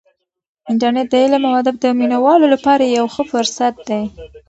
انټرنیټ د علم او ادب د مینه والو لپاره یو ښه فرصت دی.